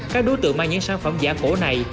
các đối tượng mang những sản phẩm giả cổ này